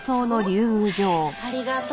ありがとう。